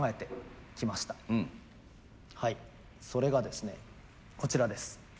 それがですねこちらです。